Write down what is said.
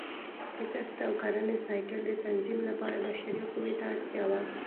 د کښت او کرنې سایکل د تنظیم لپاره بشري قوې ته اړتیا وه